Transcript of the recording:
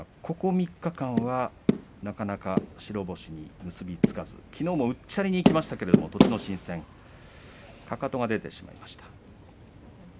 ここ３日間はなかなか白星に結び付かずきのうもうっちゃりにいきましたけども栃ノ心戦かかとが出てしまいました。